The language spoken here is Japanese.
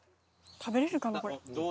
食べれるかなこれ。